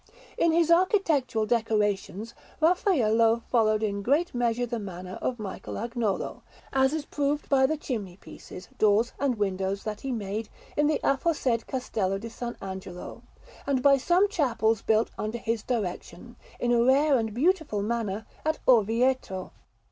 In his architectural decorations Raffaello followed in great measure the manner of Michelagnolo, as is proved by the chimney pieces, doors, and windows that he made in the aforesaid Castello di S. Angelo, and by some chapels built under his direction, in a rare and beautiful manner, at Orvieto.